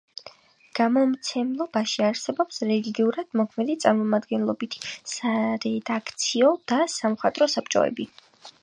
გამომცემლობაში არსებობს რეგულარულად მოქმედი წარმომადგენლობითი სარედაქციო და სამხატვრო საბჭოები.